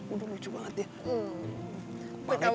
udah lucu banget ya